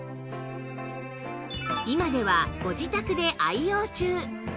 今ではご自宅で愛用中